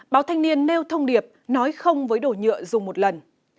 báo thanh niên nêu thông điệp nói không với đổ nhựa dùng một lần